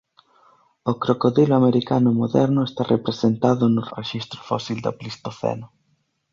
O crocodilo americano moderno está representado no rexistro fósil do Plistoceno.